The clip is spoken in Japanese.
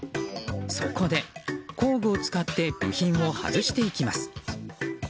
そこで工具を使って部品を外していきます。